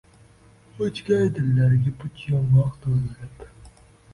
O’chgay, dillarga puch yong’oq to’ldirib.